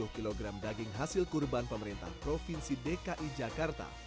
satu ratus lima puluh kg daging hasil kurban pemerintah provinsi dki jakarta